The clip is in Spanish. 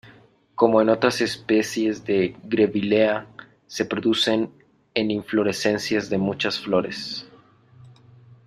Como en otras especies de "Grevillea" se producen en inflorescencias de muchas flores.